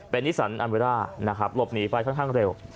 เป็นนิสันอันเวร่านะครับหลบหนีไปค่อนข้างเร็ว